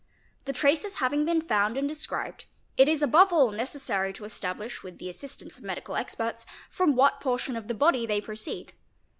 The traces having been found and described, it is above all necessary to establish with the assistance of medical experts from what portion of the body they proceed.